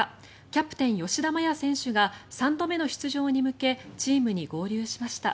キャプテン吉田麻也選手が３度目の出場に向けチームに合流しました。